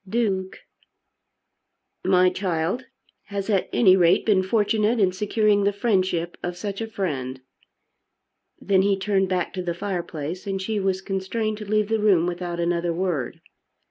"Duke!" "My child has at any rate been fortunate in securing the friendship of such a friend." Then he turned back to the fireplace, and she was constrained to leave the room without another word.